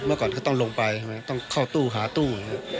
เมื่อก่อนก็ต้องลงไปใช่ไหมต้องเข้าตู้หาตู้